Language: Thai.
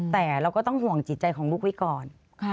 แต่เราก็ต้องห่วงจิตใจของลูกไว้ก่อน